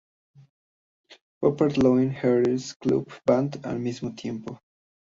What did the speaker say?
Pepper's Lonely Hearts Club Band" al mismo tiempo.